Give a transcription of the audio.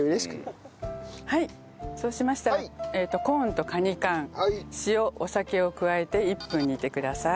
はいそうしましたらコーンとカニ缶塩お酒を加えて１分煮てください。